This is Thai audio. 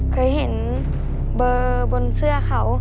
เคยเห็นเบอร์บนเสื้อเขา